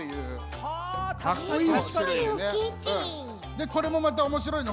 でこれもまたおもしろいの。